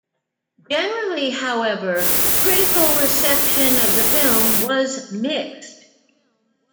Generally, however, critical reception of the film was mixed.